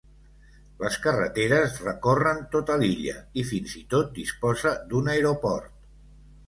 Les carreteres recorren tota l'illa i fins i tot disposa d'un aeroport.